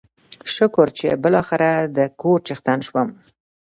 شکر چې بلاخره دکور څښتن شوم.